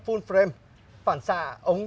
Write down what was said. full frame phản xạ ống